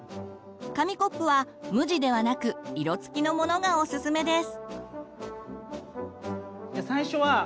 紙コップは無地ではなく色付きのものがおすすめです。